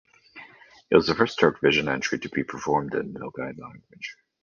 It was the first Turkvision entry to be performed in the Nogai language.